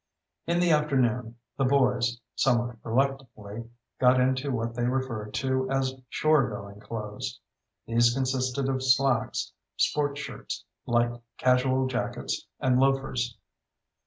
In the afternoon, the boys somewhat reluctantly got into what they referred to as "shore going clothes." These consisted of slacks, sport shirts, light casual jackets, and loafers.